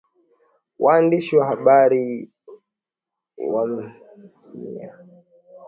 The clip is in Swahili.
Waandishi wa Habari wa Myanmar wakabiliwa na vitisho vya kuondolewa Thailand